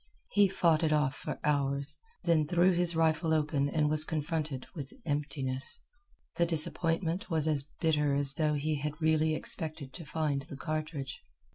He fought it off for hours, then threw his rifle open and was confronted with emptiness. The disappointment was as bitter as though he had really expected to find the cartridge.